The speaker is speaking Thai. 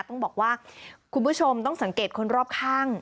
ต้องบอกว่าคุณผู้ชมต้องสังเกตคนรอบข้าง